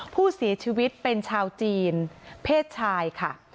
ผู้เสียชีวิตเป็นชาวจีนเพศชายค่ะ